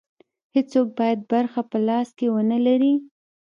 هېڅوک باید برخه په لاس کې ونه لري.